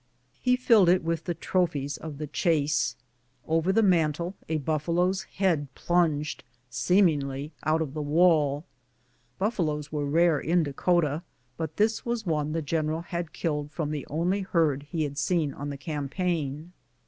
He filled it with tiie trophies of the chase. Over the mantel a buffalo's head plunged, seemingly, out of the wall. (Buffaloes were rare in Dakota, but this was one the general had killed from the only herd he had seen on the campaign.)